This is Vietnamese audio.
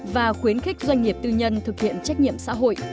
và khuyến khích doanh nghiệp tư nhân thực hiện trách nhiệm xã hội